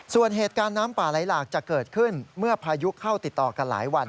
ส่วนเหตุการณ์น้ำป่าไหลหลากจะเกิดขึ้นเมื่อพายุเข้าติดต่อกันหลายวัน